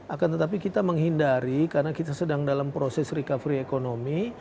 akan tetapi kita menghindari karena kita sedang dalam proses recovery ekonomi